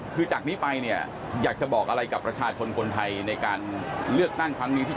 คือจากนี้ไปเนี่ยอยากจะบอกอะไรกับประชาชนคนไทยในการเลือกตั้งครั้งนี้ที่จะ